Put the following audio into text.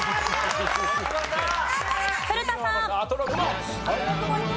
古田さん。